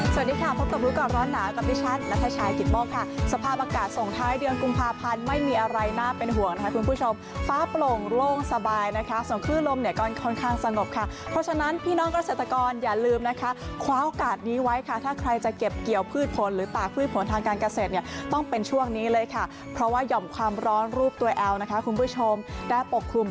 สวัสดีค่ะพบกับรู้ก่อนร้อนหนากับดิฉันนัทชายกิตมกค่ะสภาพอากาศส่งท้ายเดือนกุมภาพันธ์ไม่มีอะไรน่าเป็นห่วงนะคะคุณผู้ชมฟ้าปลงโล่งสบายนะคะส่งคลื่อลมเนี่ยก็ค่อนข้างสงบค่ะเพราะฉะนั้นพี่น้องเกษตรกรอย่าลืมนะคะคว้าโอกาสนี้ไว้ค่ะถ้าใครจะเก็บเกี่ยวพืชผลหรือปากพืชผลทางการเก